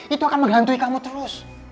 itu akan menghantui kamu terus